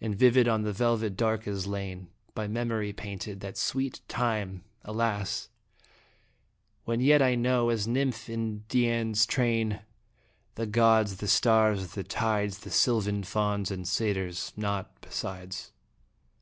And vivid on the velvet dark is lain, By memory painted, that sweet time alas ! When yet I knew, as nymph in Dian's train, The gods, the stars, the tides, The sylvan fauns and satyrs naught besides.